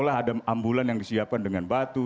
seolah olah ada ambulan yang disiapkan dengan batu